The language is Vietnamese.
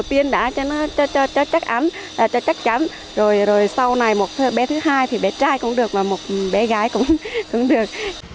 tiên đã cho nó chắc chắn rồi sau này một bé thứ hai thì bé trai cũng được và một bé gái cũng được